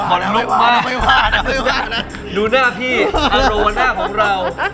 คนลุกมากดูหน้าพี่อัลโหลหน้าของเรา